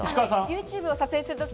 ＹｏｕＴｕｂｅを撮影すると